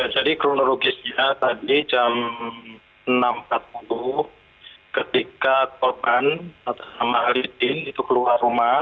jadi kronologisnya tadi jam enam empat puluh ketika korban atau halidin itu keluar rumah